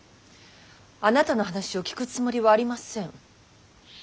あなたの話を聞くつもりはありません。